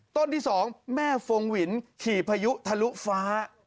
ต้นที่๒แม่ฟงหวินขี่พายุทะลุฟ้า